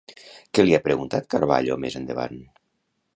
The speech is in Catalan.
Què li ha preguntat Carballo més endavant?